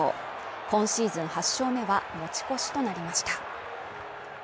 今シーズン８勝目は持ち越しとなりました。